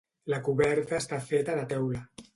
La coberta està feta de teula.